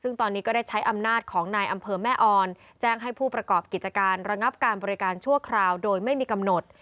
ซึ่งตอนนี้ก็ได้ใช้อำนาจของนายอำเภอแม่ออนแจ้งให้ผู้ประกอบกิจการระงับการบริการชั่วคราวโดยไม่มีกำหนด